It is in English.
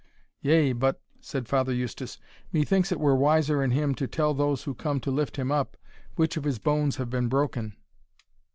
"Yea, but," said Father Eustace, "methinks it were wiser in him to tell those who come to lift him up, which of his bones have been broken."